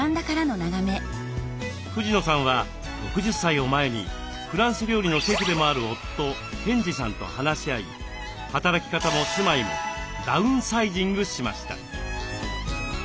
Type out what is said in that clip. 藤野さんは６０歳を前にフランス料理のシェフでもある夫賢治さんと話し合い働き方も住まいもダウンサイジングしました。